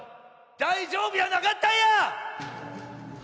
大丈夫やなかったんや！